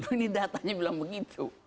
ini datanya bilang begitu